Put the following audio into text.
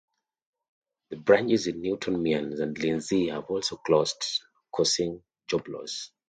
The branches in Newton Mearns and Lenzie have also closed, causing job loss.